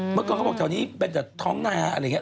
เมื่อก่อนเขาบอกแถวนี้เป็นแต่ท้องนาอะไรอย่างนี้